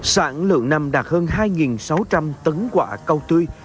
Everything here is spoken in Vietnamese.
sản lượng năm đạt hơn hai sáu trăm linh tấn quả câu tươi